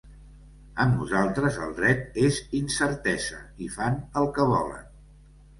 Amb nosaltres el dret és incertesa i fan el que volen.